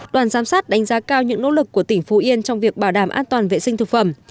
đoàn giám sát đánh giá cao những nỗ lực của tỉnh phú yên trong việc bảo đảm an toàn vệ sinh thực phẩm